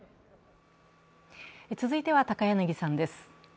続いては高柳さんです。